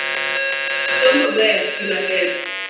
Somo ber, tii matek